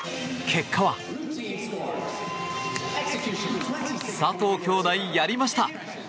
結果は佐藤姉弟、やりました！